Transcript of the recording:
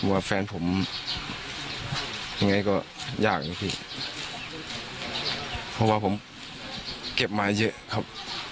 ว่าแฟนผมยังไงก็ยากนะพี่เพราะว่าผมเก็บมาเยอะครับ